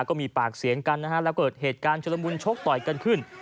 ก็มีปากเสียงกันนะฮะแล้วเกิดเหตุการณ์ชุลมุนชกต่อยกันขึ้น